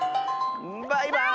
バイバーイ！